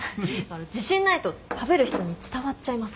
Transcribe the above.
自信ないと食べる人に伝わっちゃいますから。